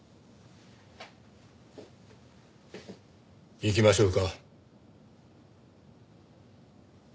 行きましょうか。